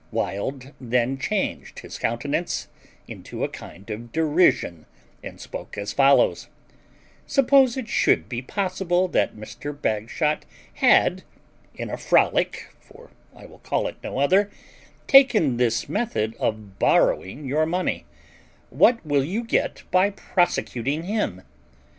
Wild then changed his countenance into a kind of derision, and spoke as follows: "Suppose it should be possible that Mr. Bagshot had, in a frolic (for I will call it no other), taken this method of borrowing your money, what will you get by prosecuting him?